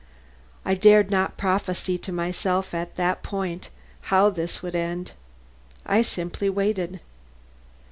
I dared not prophesy to myself at this point how this would end. I simply waited.